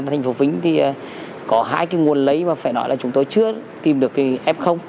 thành phố vinh thì có hai cái nguồn lấy và phải nói là chúng tôi chưa tìm được cái f